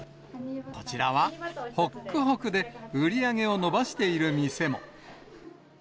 こちらは、ほっくほくで売り上げを伸ばしている店も。